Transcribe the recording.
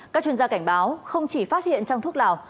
các chuyên gia cảnh báo không chỉ phát hiện trong thuốc lào